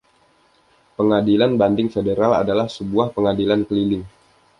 Pengadilan Banding Federal adalah sebuah Pengadilan keliling.